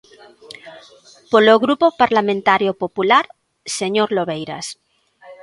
Polo Grupo Parlamentario Popular, señor Lobeiras.